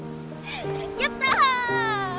やった！